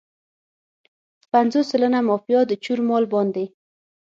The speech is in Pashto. پنځوس سلنه مافیا د چور مال باندې.